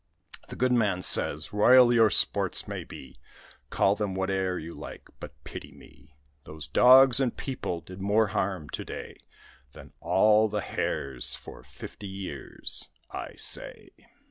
The good man says; "Royal your sports may be, Call them whate'er you like, but pity me; Those dogs and people did more harm to day Than all the hares for fifty years, I say."